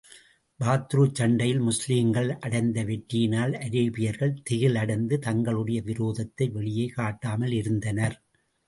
பத்ருச் சண்டையில், முஸ்லிம்கள் அடைந்த வெற்றியினால் அரேபியர்கள் திகில் அடைந்து, தங்களுடைய விரோதத்தை வெளியே காட்டாமல் இருந்தனர்.